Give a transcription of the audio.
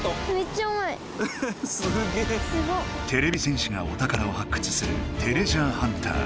てれび戦士がお宝を発掘する「てれジャーハンター」。